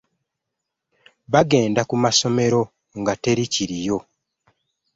Bagenda ku masomero nga teri kiriyo.